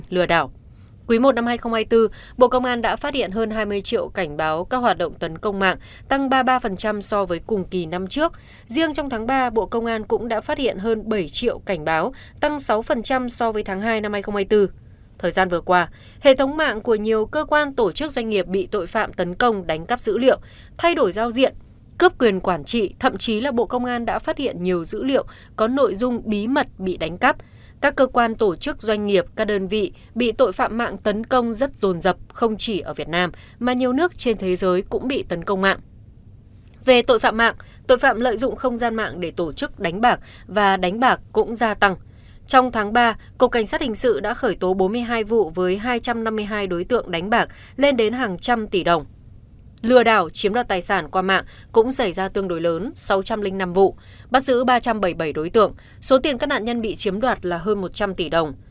lừa đảo chiếm đoạt tài sản qua mạng cũng xảy ra tương đối lớn sáu trăm linh năm vụ bắt giữ ba trăm bảy mươi bảy đối tượng số tiền các nạn nhân bị chiếm đoạt là hơn một trăm linh tỷ đồng